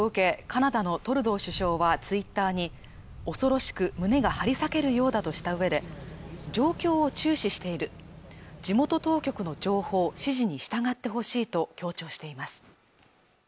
カナダのトルドー首相はツイッターに恐ろしく胸が張り裂けるようだとしたうえで状況を注視している地元当局の情報指示に従ってほしいと強調しています